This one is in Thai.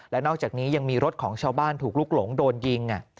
และนอกจากนี้ยังมีรถของชาวบ้านถูกลุกหลงโดนยิง